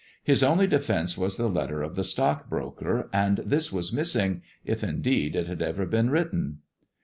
His only defence was the letter of the stockbroker, and this was missing — if, indeed, it had eve/ been written.